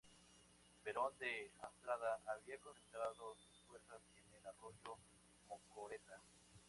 Berón de Astrada había concentrado sus fuerzas en el arroyo Mocoretá.